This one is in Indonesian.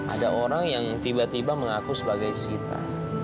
ada orang yang tiba tiba mengaku sebagai sita